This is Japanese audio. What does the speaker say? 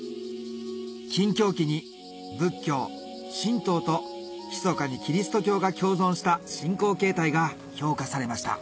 禁教期に仏教神道とひそかにキリスト教が共存した信仰形態が評価されました